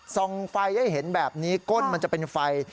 ส่องไฟให้เห็นแบบนี้ก้นมันจะเป็นไฟ